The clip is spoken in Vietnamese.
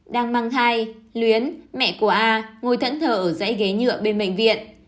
đang mang thai luyến mẹ của a ngồi thẫn thờ ở dãy ghế nhựa bên bệnh viện